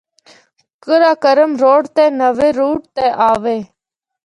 قراقرم روڑ دے نوے روٹ تے آوے۔